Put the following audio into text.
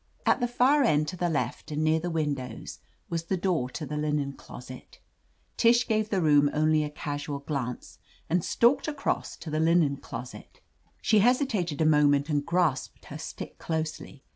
At the far end, to the left, and near the windows, was the door to the linen closet. Tish gave the room only a casual glance, and stalked across to the linen closet She hesi tated a moment and grasped her stick closely.